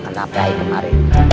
ntar pelai kemaren